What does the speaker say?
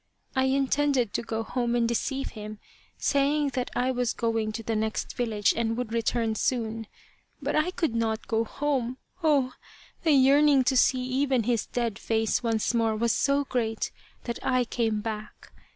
I intended to go home and deceive him, saying that I was going to the next village and would return soon. But I could not go home. Oh ! the yearning to see even his dead face once more was so great that I came back.